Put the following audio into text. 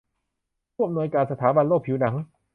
ผู้อำนวยการสถาบันโรคผิวหนัง